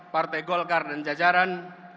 partai golkar dan jajaran